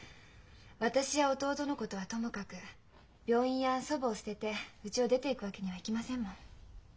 私や弟のことはともかく病院や祖母を捨ててうちを出ていくわけにはいきませんもん。